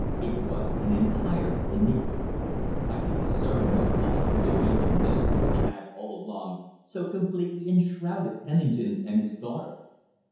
It was an entire enigma. I could discern no light through the veil of mystery which had, all along, so completely enshrouded Pennington and his daughter.